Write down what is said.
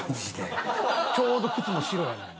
ちょうど靴も白やねん。